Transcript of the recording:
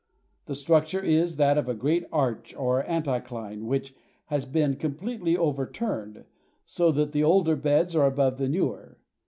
The structure is that of a great arch or anticline which has been completely overturned, so that the older beds are above the newer.